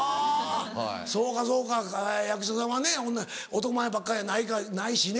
そうかそうか役者さんはね男前ばっかりやないしね